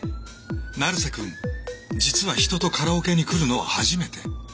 成瀬くん実は人とカラオケに来るのは初めて。